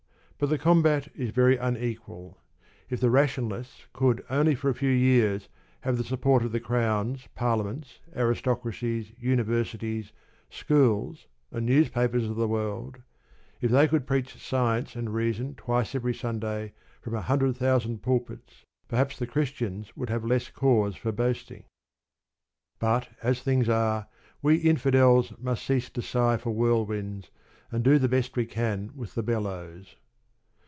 But the combat is very unequal. If the Rationalists could for only a few years have the support of the Crowns, Parliaments, Aristocracies, Universities, Schools, and Newspapers of the world; if they could preach Science and Reason twice every Sunday from a hundred thousand pulpits, perhaps the Christians would have less cause for boasting. But as things are, we "Infidels" must cease to sigh for whirlwinds, and do the best we can with the bellows.